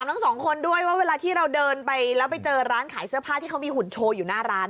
ทั้งสองคนด้วยว่าเวลาที่เราเดินไปแล้วไปเจอร้านขายเสื้อผ้าที่เขามีหุ่นโชว์อยู่หน้าร้าน